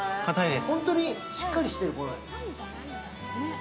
本当にしっかりしてる、これ。